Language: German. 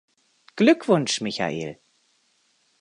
Glückwunsch, Michael!